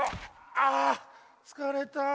あつかれた。